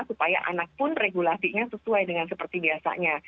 supaya anak pun regulasinya sesuai dengan seperti biasanya